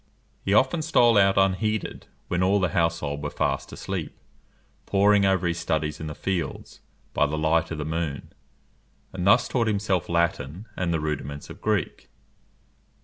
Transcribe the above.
He often stole out unheeded, when all the household were fast asleep, poring over his studies in the fields, by the light of the moon; and thus taught himself Latin and the rudiments of Greek.